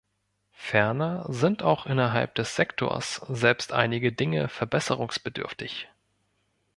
Ferner sind auch innerhalb des Sektors selbst einige Dinge verbesserungsbedürftig.